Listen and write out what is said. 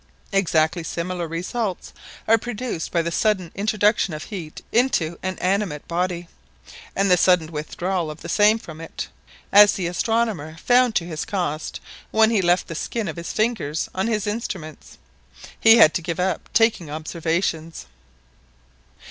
Exactly similar results are produced by the sudden introduction of heat into an animate body, and the sudden withdrawal of the same from it, as the astronomer found to his cost when he left the skin of his fingers on his instruments. He had to give up taking observations.